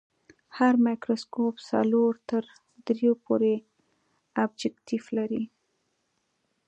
هر مایکروسکوپ څلور تر دریو پورې ابجکتیف لري.